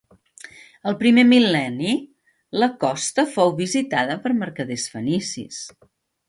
Al primer mil·lenni la costa fou visitada per mercaders fenicis.